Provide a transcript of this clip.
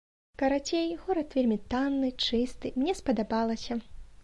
Карацей, горад вельмі танны, чысты, мне спадабалася.